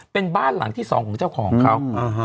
เป็นบ้านหลังที่สองของเจ้าของเขา